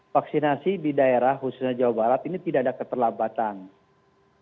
vaksinasi di daerah khususnya jawa barat ini tidak ada keterlambatan